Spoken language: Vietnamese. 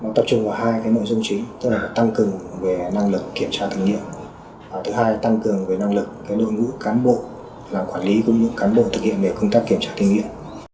nó tập trung vào hai cái nội dung chính tức là tăng cường về năng lực kiểm tra thử nghiệm và thứ hai tăng cường về năng lực cái đội ngũ cán bộ là quản lý của những cán bộ thực hiện về công tác kiểm tra thử nghiệm